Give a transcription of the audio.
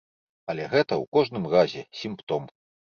Але гэта, у кожным разе, сімптом.